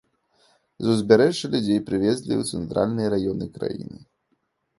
З узбярэжжа людзей перавезлі ў цэнтральныя раёны краіны.